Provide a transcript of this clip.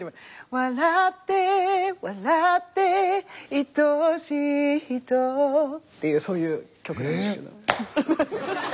「笑って笑って愛しい人」っていうそういう曲です。え？